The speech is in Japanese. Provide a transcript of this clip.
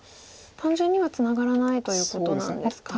単純にはツナがらないということなんですか。